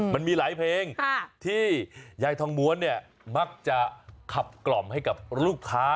มันมีหลายเพลงที่ยายทองม้วนเนี่ยมักจะขับกล่อมให้กับลูกค้า